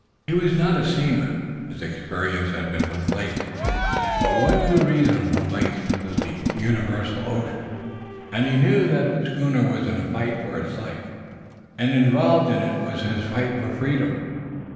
He was not a seaman, his experience had been with lakes, but one could reason from lakes to the universal ocean, and he knew that the schooner was in a fight for life. And involved in it was his fight for freedom.